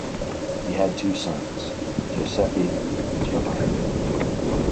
He had two sons, Giuseppe and Giovanni.